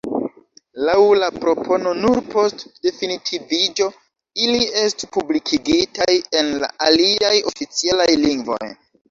Laŭ la propono, nur post definitiviĝo ili estu publikigitaj en la aliaj oficialaj lingvoj.